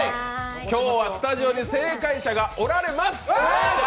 今日はスタジオに正解者がおられます！